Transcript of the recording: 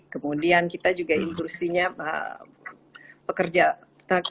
kemudian kita juga industri nya tenaga kerja kita juga menciptakan polusi